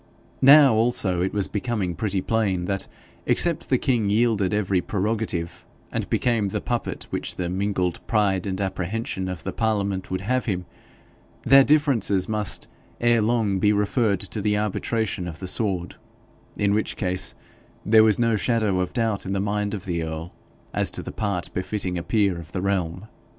Now, also, it was becoming pretty plain that except the king yielded every prerogative, and became the puppet which the mingled pride and apprehension of the Parliament would have him, their differences must ere long be referred to the arbitration of the sword, in which case there was no shadow of doubt in the mind of the earl as to the part befitting a peer of the realm.